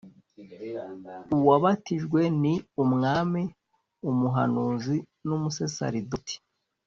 «uwabatijwe ni umwami, umuhanuzi n’umusaseridoti.»